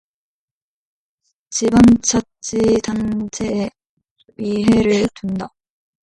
지방자치단체에 의회를 둔다.